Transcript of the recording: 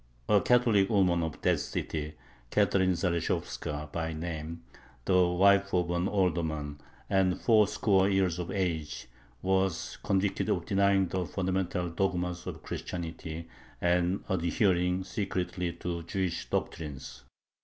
A Catholic woman of that city, Catherine Zaleshovska by name, the wife of an alderman, and four score years of age, was convicted of denying the fundamental dogmas of Christianity and adhering secretly to Jewish doctrines.